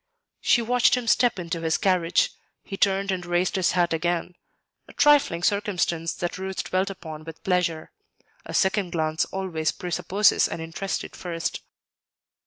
She watched him step into his carriage; he turned and raised his hat again, a trifling circumstance that Ruth dwelt upon with pleasure; a second glance always presupposes an interested first.